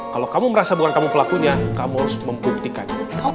kalau kamu merasa bukan kamu pelakunya kamu harus membuktikan